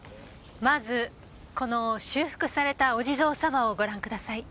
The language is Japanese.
まずこの修復されたお地蔵様をご覧ください。